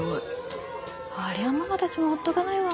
ありゃママたちもほっとかないわ。